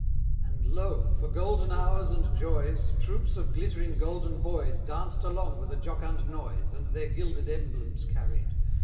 And lo! for Golden Hours and Joys, Troops of glittering Golden Boys Danced along with a jocund noise, And their gilded emblems carried!